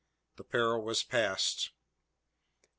The peril was passed.